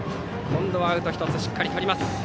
今度はアウト１つしっかりとりました。